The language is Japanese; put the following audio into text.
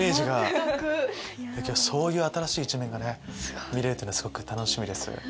そういう新しい一面がね見れるっていうのはすごく楽しみです。